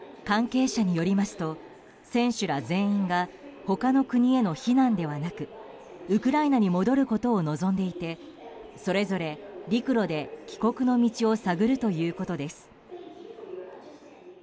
関係者によりますと選手ら全員が他の国への避難ではなくウクライナに戻ることを望んでいてそれぞれ、陸路で帰国の道を探るということです。